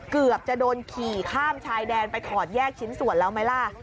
เกือบจะโดนขี่ข้ามชายแดนไปถอดแยกชิ้นส่วนแล้วไหมล่ะ